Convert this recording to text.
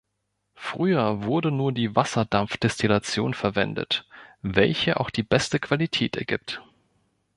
Früher wurde nur die Wasserdampfdestillation verwendet, welche auch die beste Qualität ergibt.